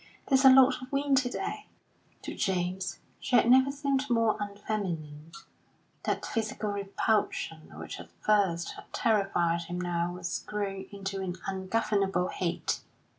"There's a lot of wind to day." To James she had never seemed more unfeminine; that physical repulsion which at first had terrified him now was grown into an ungovernable hate.